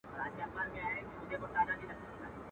د بېګانه وو مزدوران دي په پیسو راغلي.